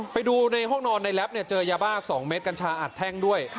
ไปดูในห้องนอนในแรปเจอยาบ้า๒เม็ดกัญชาอัดแท่งด้วย